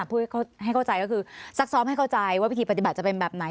พูดให้เข้าใจก็คือซักซ้อมให้เข้าใจว่าวิธีปฏิบัติจะเป็นแบบไหน